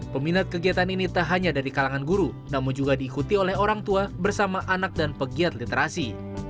peminat kegiatan ini tak hanya dari kalangan guru namun juga diikuti oleh orang tua bersama anak dan pegiat literasi